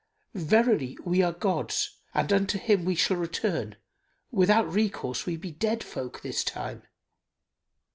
Verily we are God's and unto him we shall return; without recourse we be dead folk this time."